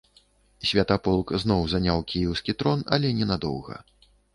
Святаполк зноў заняў кіеўскі трон, але ненадоўга.